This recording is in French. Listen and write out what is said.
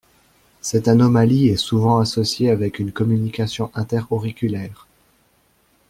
Cette anomalie est souvent associée avec une communication inter auriculaire.